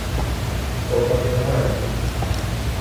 То так не має бути.